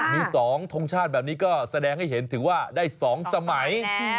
มี๒ทงชาติแบบนี้ก็แสดงให้เห็นถึงว่าได้๒สมัย